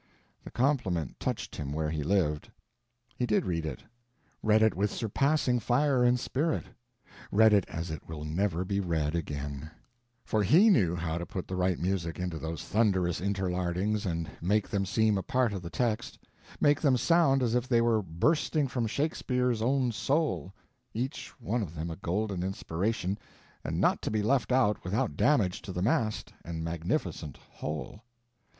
The compliment touched him where he lived. He did read it; read it with surpassing fire and spirit; read it as it will never be read again; for he knew how to put the right music into those thunderous interlardings and make them seem a part of the text, make them sound as if they were bursting from Shakespeare's own soul, each one of them a golden inspiration and not to be left out without damage to the massed and magnificent whole.